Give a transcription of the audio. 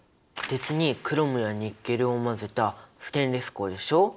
鉄にクロムやニッケルを混ぜたステンレス鋼でしょ。